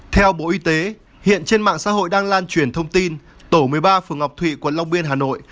theo bộ y tế hiện trên mạng xã hội đang lan truyền thông tin tổ một mươi ba phường ngọc thụy quận long biên hà nội